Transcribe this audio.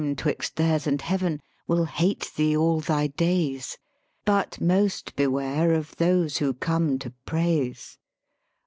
126 LYRIC POETRY 'Twixt theirs and heaven, will hate thee all thy days; But most beware of those who come to praise.